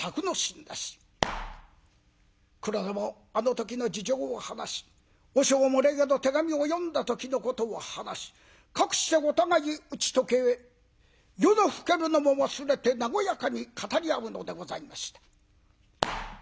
黒田もあの時の事情を話し和尚も例の手紙を読んだ時のことを話しかくしてお互い打ち解け夜の更けるのも忘れて和やかに語り合うのでございました。